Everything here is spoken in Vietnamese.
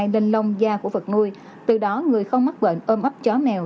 nên lông da của vật nuôi từ đó người không mắc bệnh ôm ấp chó mèo